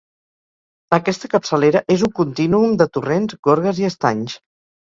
Aquesta capçalera és un contínuum de torrents, gorgues i estanys.